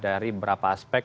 dari berapa aspek